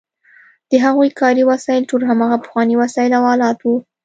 د هغوی کاري وسایل ټول هماغه پخواني وسایل او آلات وو.